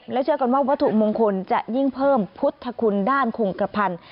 และเชื่อกันว่าวัตถุมงคลจะยิ่งเพิ่มพุทธคุณด้านคงกระพันธ์